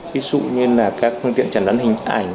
ví dụ như là các phương tiện chẩn đoán hình ảnh